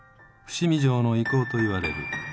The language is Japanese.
伏見城の遺構といわれる。